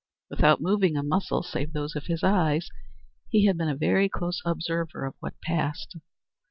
Without moving a muscle, save those of his eyes, he had been a very close observer of what passed.